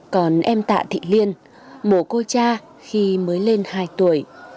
còn em tạ thì lien bố cô cha khi mới lên hai tuổi